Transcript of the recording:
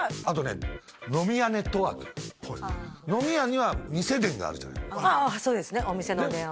あとね飲み屋ネットワーク飲み屋には店電があるじゃない？